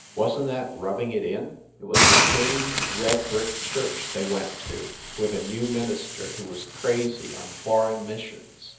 Wasn t that rubbing it in ? It was a clean red brick church they went to, with a new minister who was crazy on Foreign Missions.